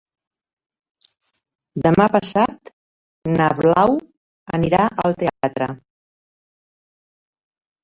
Demà passat na Blau anirà al teatre.